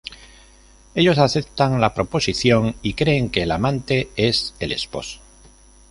Ellos aceptan la proposición y creen que el amante es el esposo.